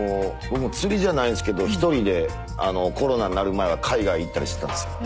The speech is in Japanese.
僕も釣りじゃないんですけど１人でコロナになる前は海外行ったりしてたんですよ。